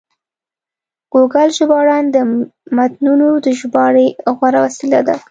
ګوګل ژباړن د متنونو د ژباړې غوره وسیله ده.